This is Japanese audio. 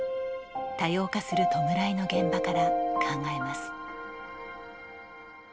多様化する弔いの現場から考えます。